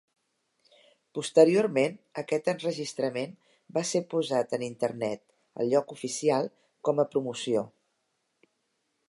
Posteriorment, aquest enregistrament va ser posat en Internet, al lloc oficial, com a promoció.